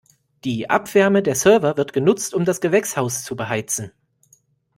Die Abwärme der Server wird genutzt, um das Gewächshaus zu beheizen.